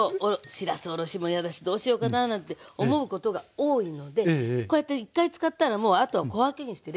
しらすおろしも嫌だしどうしようかなぁなんて思うことが多いのでこうやって１回使ったらもうあとは小分けにして冷凍しとくの。